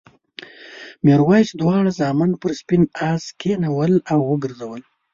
میرويس دواړه زامن پر سپین آس کېنول او وګرځول.